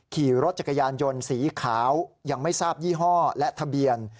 ขี่รถจักรยานยนต์สีขาวยังไม่ทราบยี่ห้อและทะเบียน